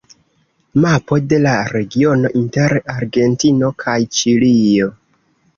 Mapo de la regiono inter Argentino kaj Ĉilio.